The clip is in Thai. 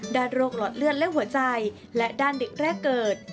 โรคหลอดเลือดและหัวใจและด้านเด็กแรกเกิด